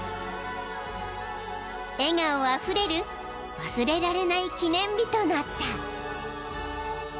［笑顔あふれる忘れられない記念日となった］